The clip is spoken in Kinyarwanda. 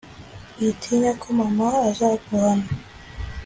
Witinya ko mama azaguhana